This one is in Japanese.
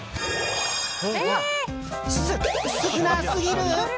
す、少なすぎる！